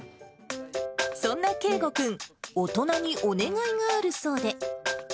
そんなけいごくん、大人にお願いがあるそうで。